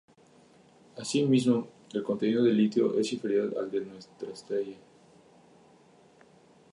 Asimismo, el contenido de litio es inferior al de nuestra estrella.